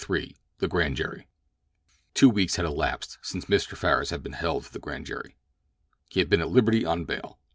— THE GRAND JURY Two weeks had elapsed since Mr. Farris had been held for the grand jury. He had been at liberty on bail.